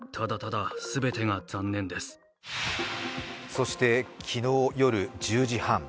そして昨日夜１０時半。